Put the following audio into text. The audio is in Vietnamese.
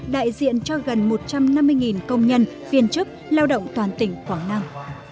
đại diện cho gần một trăm năm mươi công nhân viên chức lao động toàn tỉnh quảng nam